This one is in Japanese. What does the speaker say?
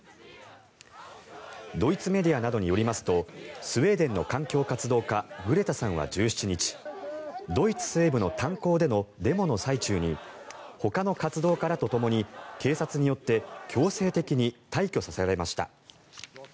ドイツメディアなどによりますとスウェーデンの環境活動家グレタさんは１７日ドイツ西部の炭鉱でのデモの最中にほかの活動家らとともに警察によって強制的に退去させられました。